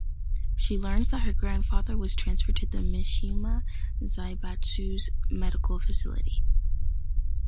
She learns that her grandfather was transferred to the Mishima Zaibatsu's medical facility.